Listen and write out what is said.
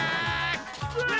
うわ！